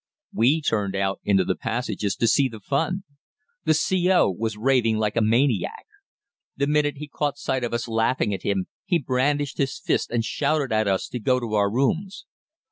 We turned out into the passages to see the fun. The C.O. was raving like a maniac. The minute he caught sight of us laughing at him he brandished his fists and shouted at us to go to our rooms.